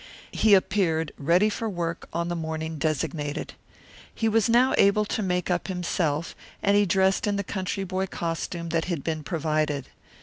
He appeared ready for work on the morning designated. He was now able to make up himself, and he dressed in the country boy costume that had been provided.